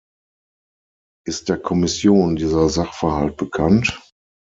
Ist der Kommission dieser Sachverhalt bekannt?